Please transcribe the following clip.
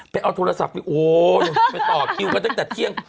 เอาโทรศัพท์ไปโอ้ไปต่อคิวกันตั้งแต่เที่ยง